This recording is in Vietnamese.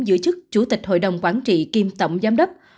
giữ chức chủ tịch hội đồng quản trị kiêm tổng giám đốc